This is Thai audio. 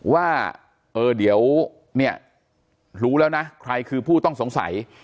ว่าเออเดี๋ยวเนี่ยรู้แล้วนะใครคือผู้ต้องสงสัย